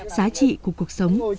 giá trị của cuộc sống